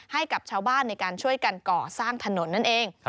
ให้กับชาวบ้านในการช่วยกันก่อสร้างถนนนั่นเอง